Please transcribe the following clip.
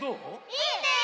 いいね！